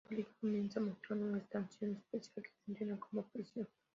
La película comienza mostrando una estación espacial que funciona como prisión.